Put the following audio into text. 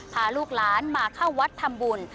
พาลูกหลานมาเข้าวัดทำบุญ